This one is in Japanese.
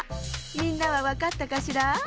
みんなはわかったかしら？